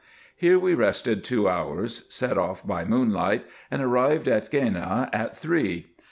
Here we rested two hours, set off by moonlight, and arrived at Gheneh at three.